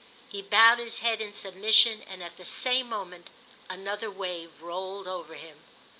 He bowed his head in submission and at the same moment another wave rolled over him.